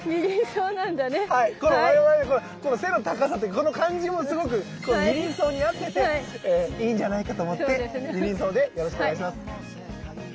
我々背の高さとかこの感じもすごくニリンソウに合ってていいんじゃないかと思ってニリンソウでよろしくお願いします。